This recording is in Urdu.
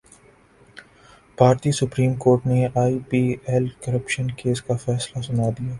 بھارتی سپریم کورٹ نے I P L corruption case کا فیصلہ سنادیا